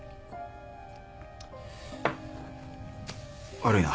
悪いな。